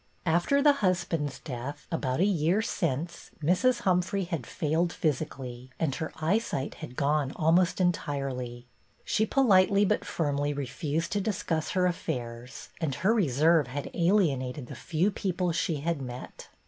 After the husband's IS 226 BETTY BAIRD death, about a year since, Mrs. Humphrey had failed physically, and her eyesight had gone almost entirely. She politely but firmly refused to discuss her affairs, and her reserve had alienated the few people she had met.